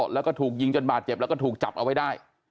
แล้วก็ถูกยิงจนบาดเจ็บแล้วก็ถูกจับเอาไว้ได้